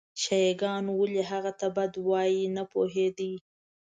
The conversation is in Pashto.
شیعه ګان ولې هغه ته بد وایي نه پوهېد.